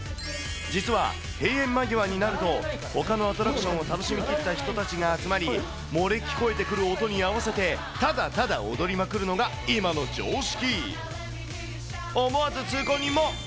実は閉園間際になると、ほかのアトラクションを楽しみ切った人たちが集まり、漏れ聞こえてくる音に合わせて、ただただ踊りまくるのが今の常識。